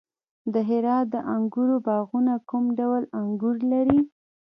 د هرات د انګورو باغونه کوم ډول انګور لري؟